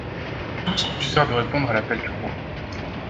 Tous refusèrent de répondre à l'appel du roi.